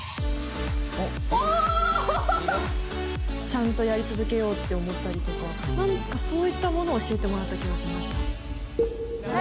ちゃんとやり続けようって思ったりとか何かそういったものを教えてもらった気がしました。